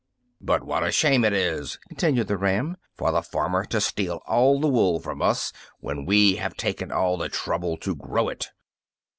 "But what a shame it is," continued the ram, "for the farmer to steal all the wool from us when we have taken all the trouble to grow it!"